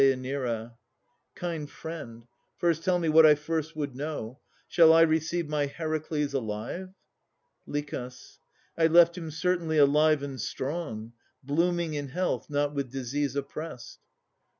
Kind friend, first tell me what I first would know Shall I receive my Heracles alive? LICH. I left him certainly alive and strong: Blooming in health, not with disease oppressed.